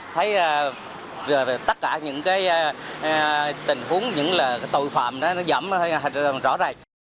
thấy tất cả những tình huống những tội phạm nó dẫm rõ ràng